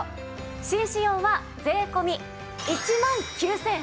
紳士用は税込１万９８００円。